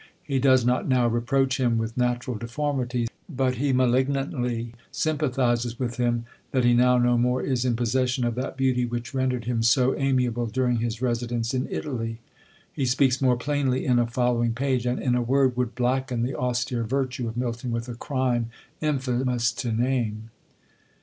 He does not now reproach him with natural deformities; but he malignantly sympathises with him, that he now no more is in possession of that beauty which rendered him so amiable during his residence in Italy. He speaks more plainly in a following page; and, in a word, would blacken the austere virtue of Milton with a crime infamous to name.